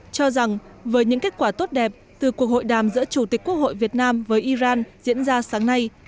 cho rằng với những kết quả tốt đẹp từ cuộc hội đàm giữa chủ tịch quốc hội việt nam với iran diễn ra sáng nay